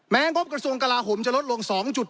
งบกระทรวงกลาโหมจะลดลง๒๗